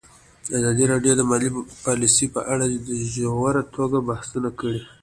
ازادي راډیو د مالي پالیسي په اړه په ژوره توګه بحثونه کړي.